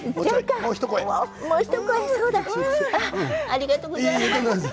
ありがとうございます。